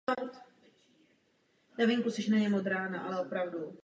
Darwin to považoval za důkaz společného původu všech živočichů.